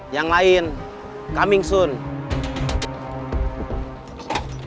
yang lain akan datang segera